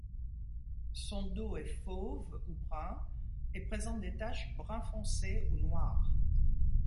Son dos est fauve ou brun et présente des taches brun foncé ou noires.